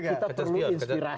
kita perlu inspirasi